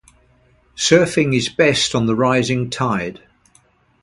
Surfing is best on the rising tide.